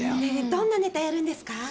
どんなネタやるんですか？